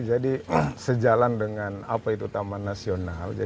jadi sejalan dengan apa itu taman nasional